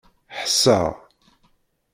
Ḥesseɣ.